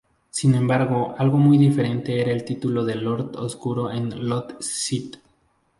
Sin embargo, algo muy diferente era el título de Lord Oscuro de lod sith.